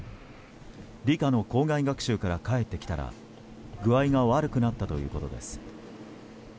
理科の校外学習から帰ってきたら具合が悪くなったということです。